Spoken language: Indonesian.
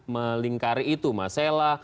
melingkari itu mas sela